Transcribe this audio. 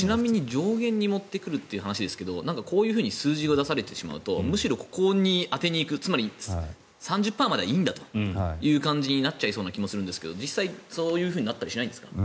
上限に持ってくるという話ですがこういうふうに数字が出されてしまうとむしろ、ここに当てに行くつまり、３０％まではいいんだという感じになっちゃいそうな気もするんですけど実際そうなったりはしないんですか？